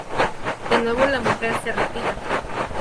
De nuevo la mujer se retira.